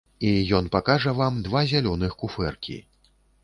І ён пакажа вам два зялёных куфэркі.